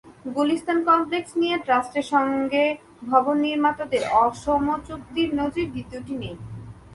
Gulistan complex নিয়ে ট্রাস্টের সঙ্গে ভবন নির্মাতাদের অসম চুক্তির নজির দ্বিতীয়টি নেই।